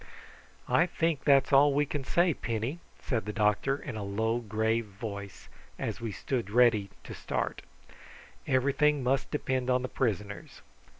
"I think that's all we can say, Penny," said the doctor in a low grave voice, as we stood ready to start. "Everything must depend on the prisoners.